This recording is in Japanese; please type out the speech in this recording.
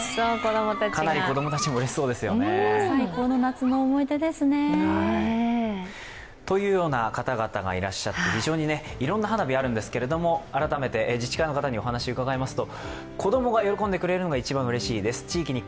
かなり子供たちもうれしそうですよね。というような方々がいらっしゃっていろんな花火があるんですけども、改めて自治会の方にお話を伺いました。